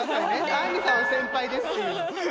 「あんりさんは先輩です」っていう。